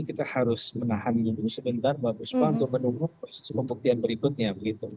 kita harus menahan ini sebentar untuk menunggu sesuatu buktian berikutnya